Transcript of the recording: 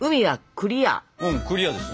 クリアですね。